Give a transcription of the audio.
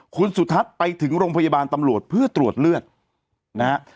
คุณสุทัศน์ไปถึงโรงพยาบาลตำรวจเพื่อตรวจเลือดนะฮะ